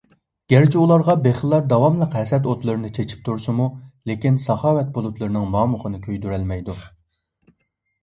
گەرچە ئۇلارغا بېخىللار داۋاملىق ھەسەت ئوتلىرىنى چېچىپ تۇرسىمۇ، لېكىن، ساخاۋەت بۇلۇتلىرىنىڭ مامۇقىنى كۆيدۈرەلمەيدۇ.